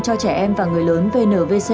cho trẻ em và người lớn